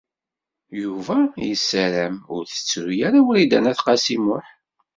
Yuba yessaram ur tettru ara Wrida n At Qasi Muḥ.